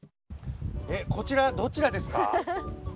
こちら、どちらですか？